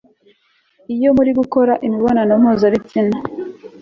iyo murimo gukora imibonano mpuzabitsina